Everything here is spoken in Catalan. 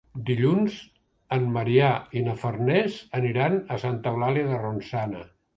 Dilluns en Maria i na Farners aniran a Santa Eulàlia de Ronçana.